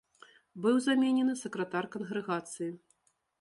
Быў заменены сакратар кангрэгацыі.